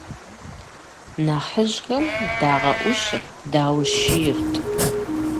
Нэхъыжьхэм дагъэӀущырт, даущийрт.